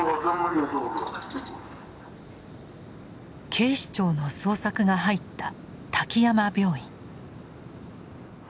警視庁の捜索が入った滝山病院。